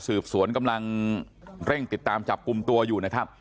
สวนกำลังเร่งติดตามจับกลุ่มตัวอยู่นะครับ